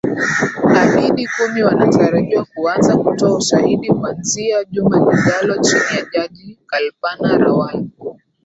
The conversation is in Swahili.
hahidi kumi wanatarajiwa kuanza kutoa ushahidi kuanzia juma lijalo chini ya jaji kalpana rawal